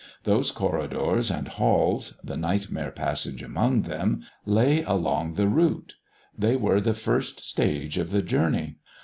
Those corridors and halls, the Nightmare Passage among them, lay along the route; they were the first stage of the journey.